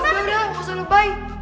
gak ada gak usah lo baik